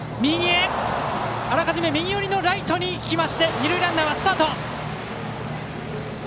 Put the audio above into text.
あらかじめ右寄りのライトに飛んで二塁ランナーは三塁へ。